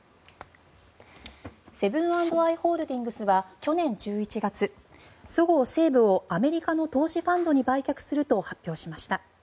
セブン＆アイ・ホールディングスは去年１１月そごう・西武をアメリカの投資ファンドに売却すると発表しました。